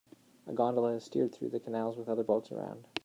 A gondola is steered through the canals with other boats around.